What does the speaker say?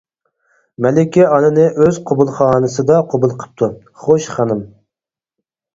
مەلىكە ئانىنى ئۆز قوبۇلخانىسىدا قوبۇل قىپتۇ:-خوش، خانىم!